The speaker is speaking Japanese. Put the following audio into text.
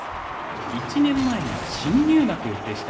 １年前が新入幕でした。